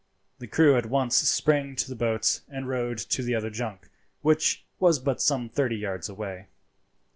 The crew at once sprang to the boats and rowed to the other junk, which was but some thirty yards away.